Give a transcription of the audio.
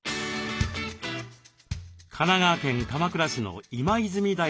神奈川県鎌倉市の今泉台地区。